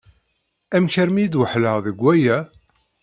Amek armi i d-weḥleɣ deg waya?